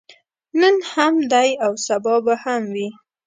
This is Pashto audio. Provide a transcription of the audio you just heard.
نن هم دی او سبا به هم وي.